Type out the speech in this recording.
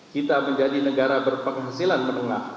kita menjadi negara berpenghasilan menengah